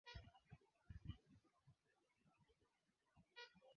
hata shabiki anajitolea nampatia